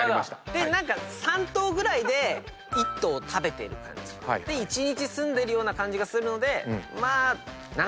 何か３頭ぐらいで１頭を食べてる感じで１日済んでるような感じがするので。